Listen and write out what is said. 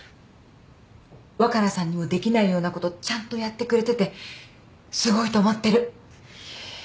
若菜さんにもできないようなことちゃんとやってくれててすごいと思ってる。